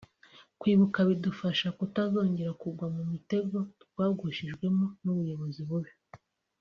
Kwibuka bidufasha kutazongera kugwa mu mutego twagushijwemo n’ubuyobozi bubi